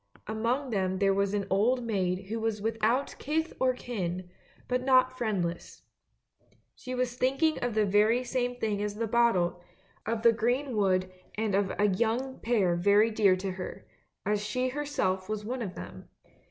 Among them there was an old maid who was without kith or kin, but not friendless. She was thinking of the very same thing as the bottle; of the green wood and of a young pair very dear to her, as she herself was one of them.